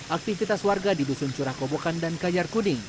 aktivitas warga di dusun curah kobokan dan kayar kuning